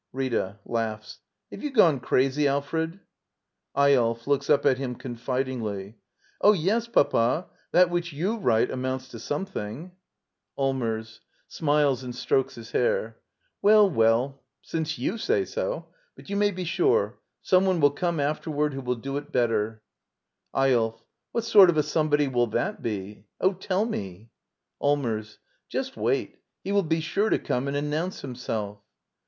Rita. Have you gone crazy, Al fred? Eyolf. [Looks up at him confidingly.] Oh, yes, papa — that which you write amounts to some thing. 8 Digitized by VjOOQIC Act I. ^ LITTLE EYOLF Allmers, tSmfles and strokes his hain] Well, well, since you say so — But you may be sure — "some one^wjll. come afterward whQ will do it. better. Eyolf. What sort of a somebody will that be? Oh, tell me! Allmers. Just wait! He will be sure to come and announce himself.